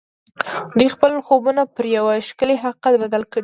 دوی خپل خوبونه پر یو ښکلي حقیقت بدل کړل